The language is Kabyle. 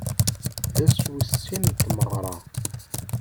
D ass wis sin n tmeɣra.